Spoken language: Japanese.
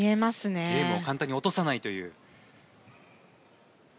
ゲームを簡単に落とさないという。